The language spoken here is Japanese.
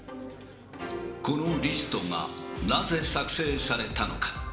このリストがなぜ作成されたのか。